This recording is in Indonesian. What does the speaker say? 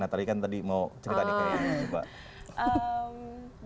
natalia kan tadi mau cerita nih kayaknya juga